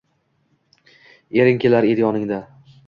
Ering kelar edi yoningda